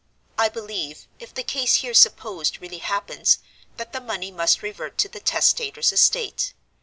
I believe (if the case here supposed really happens) that the money must revert to the testator's estate.